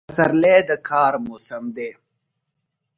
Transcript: پسرلی د کار موسم دی.